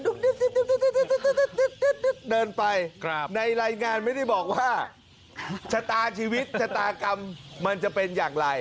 เดินไปในรายงานไม่ได้บอกว่าชะตาชีวิตชะตากรรมมันจะเป็นอย่างไร